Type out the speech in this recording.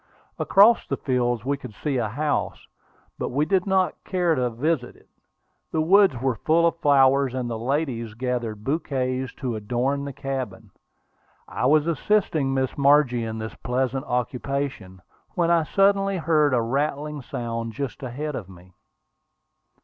Across these fields we could see a house, but we did not care to visit it. The woods were full of flowers, and the ladies gathered bouquets to adorn the cabin. I was assisting Miss Margie in this pleasant occupation, when I suddenly heard a rattling sound just ahead of me.